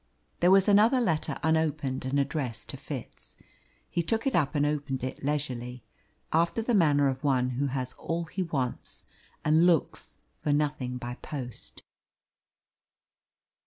There was another letter unopened and addressed to Fitz. He took it up and opened it leisurely, after the manner of one who has all he wants and looks for nothing by post.